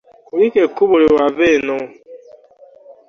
Kulika ekkubo lwe wava eno.